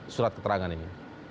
surat keterangan ini